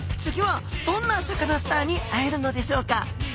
次はどんなサカナスターに会えるのでしょうか？